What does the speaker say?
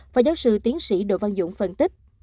phó giáo sư tiến sĩ đỗ văn dũng phân tích